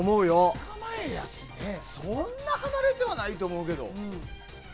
２日前やしそんなに離れてはないと思うけど。